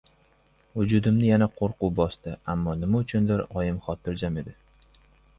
Vujudimni yana qo‘rquv bosdi. Ammo nima uchundir oyim xotirjam edi.